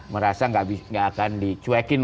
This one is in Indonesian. merasa tidak akan dicuekin